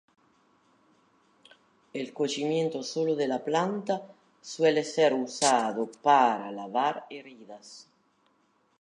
El cocimiento solo de la planta, suele ser usado para lavar heridas.